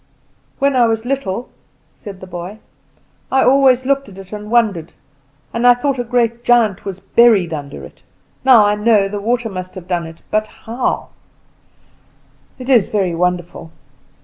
"When I was little," said the boy, "I always looked at it and wondered, and I thought a great giant was buried under it. Now I know the water must have done it; but how? It is very wonderful.